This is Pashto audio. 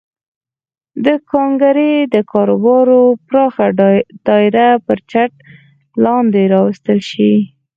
د کارنګي د کاروبار پراخه دایره به تر چت لاندې راوستل شي